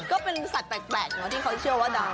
ก็เป็นสัตว์แปลกที่เค้าเชื่อว่า